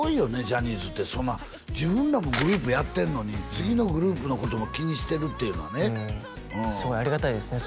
ジャニーズってそんな自分らもグループやってんのに次のグループのことも気にしてるっていうのはねすごいありがたいですね